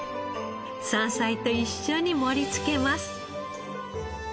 山菜と一緒に盛りつけます。